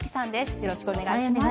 よろしくお願いします。